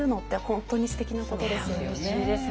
本当にすてきなことですよね。